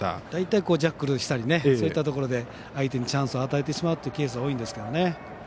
大体、ジャッグルをしたりそういったところで相手にチャンスを与えてしまうケースが多いんですけどね。